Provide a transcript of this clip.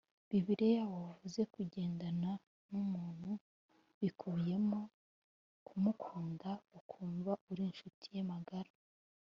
bibiliya wavuze ko kugendana n umuntu bikubiyemo kumukunda ukumva uri inshuti ye magara